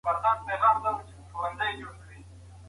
آیا په نوي نصاب کي د اخلاقیاتو ځانګړی کتاب شتون لري؟